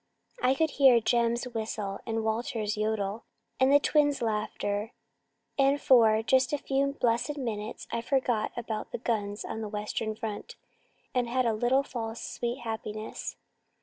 I could hear Jem's whistle and Walter's yodel, and the twins' laughter, and for just a few blessed minutes I forgot about the guns on the Western front, and had a little false, sweet happiness."